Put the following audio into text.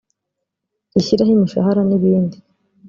rishyiraho imishahara n ibindi